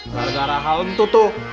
gara gara hal itu tuh